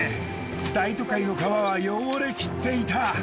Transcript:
大都会の川は汚れきっていた！